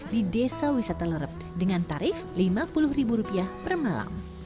di desa wisata larep dengan tarif lima puluh ribu rupiah per malam